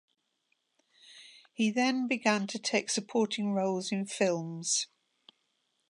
He then began to take supporting roles in films.